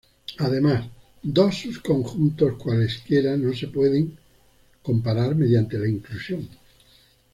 Además dos subconjuntos cualesquiera no se pueden comparar mediante la inclusión.